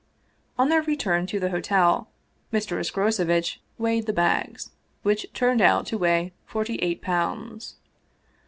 On their return to the hotel, Mr. Escrocevitch weighed the bags, which turned out to weigh forty eight pounds.